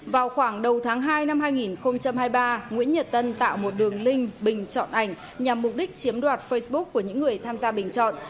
vào khoảng đầu tháng hai năm hai nghìn hai mươi ba nguyễn nhật tân tạo một đường link bình chọn ảnh nhằm mục đích chiếm đoạt facebook của những người tham gia bình chọn